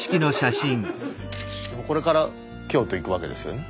これから京都行くわけですよね？